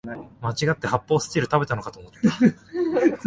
まちがって発泡スチロール食べたのかと思った